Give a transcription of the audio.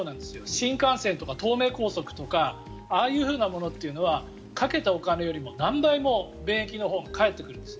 新幹線とか東名高速とかああいうものっていうのはかけたお金よりも何倍も便益が返ってくるんです。